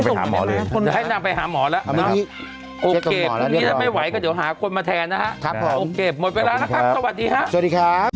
โปรดติดตามตอนต่อไป